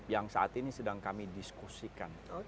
yang saat ini sedang kami diskusikan